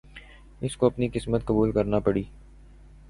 اس کو اپنی قسمت قبول کرنا پڑی۔